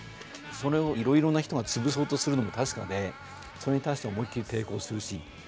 それをいろいろな人が潰そうとするのも確かでそれに対して思いっきり抵抗するし。